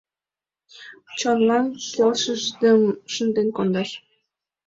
Чонлан келшышыжым шынден кондаш.